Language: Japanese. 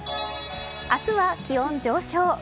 明日は気温上昇。